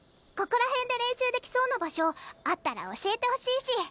ここら辺で練習できそうな場所あったら教えてほしいし。